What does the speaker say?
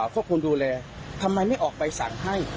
ก็ควรดูแลทำไมไม่ออกใบสั่งให้